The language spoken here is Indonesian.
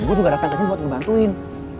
gue juga datang kesini buat ngebantuin